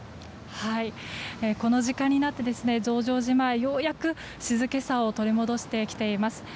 この時間になって増上寺前ようやく静けさを取り戻してきています。